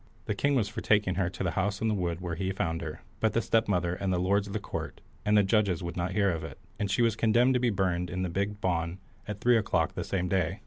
The king was for taking her to the house in the wood where he found her, but the stepmother, and the lords of the court, and the judges would not hear of it, and she was condemned to be burned in the big bawn at three o'clock the same day.